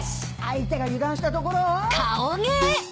相手が油断したところを！